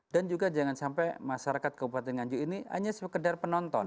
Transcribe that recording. dan juga jangan sampai masyarakat kabupaten nganjung ini hanya sekedar penonton